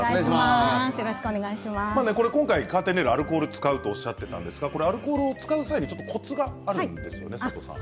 今回、カーテンレールアルコールを使うとおっしゃっていましたがアルコールを使う際にコツがあるんですよね。